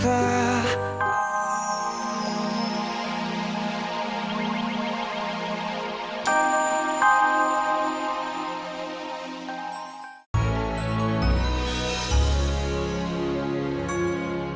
kau juga bisa menulis surat ini